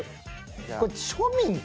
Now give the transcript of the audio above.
これ庶民か？